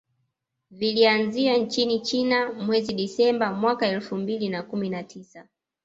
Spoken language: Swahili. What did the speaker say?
Vilianzia nchini China mwezi Disemba mwaka elfu mbili na kumi na tisa